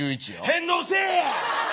返納せえや！